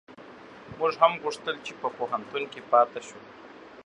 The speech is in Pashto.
موږ هم غوښتل چي په پوهنتون کي پاته شو